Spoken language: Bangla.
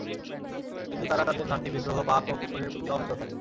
কিন্তু তারা তাদের ভ্রান্তি, বিদ্রোহ, পাপ ও কুফরের প্রতি অবিচল থাকে।